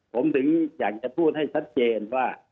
ผมถึงอยากจะพูดให้ชัดเจนว่า